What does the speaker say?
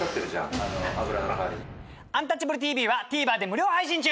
「アンタッチャブるＴＶ」はＴＶｅｒで無料配信中！